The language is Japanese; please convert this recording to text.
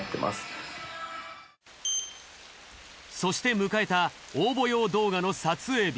そして迎えた応募用動画の撮影日。